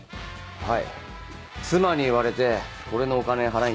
はい。